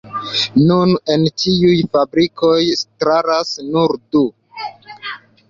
Nun el tiuj fabrikoj staras nur du.